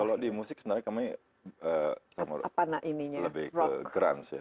kalau di musik sebenarnya kami lebih ke grunch ya